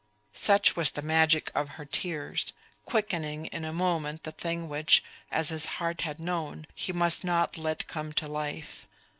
Such was the magic of her tears, quickening in a moment the thing which, as his heart had known, he must not let come to life.